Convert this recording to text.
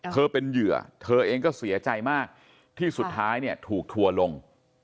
เธอเป็นเหยื่อเธอเองก็เสียใจมากที่สุดท้ายเนี่ยถูกทัวร์ลง